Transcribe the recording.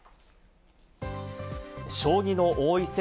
将棋の王位戦